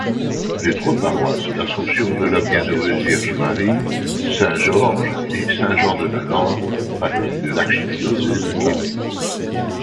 Les trois paroisses, L'Assomption-de-la-Bienheureuse-Vierge-Marie, Saint-Georges et Saint-Jean-de-la-Lande, font partie de l'archidiocèse de Québec.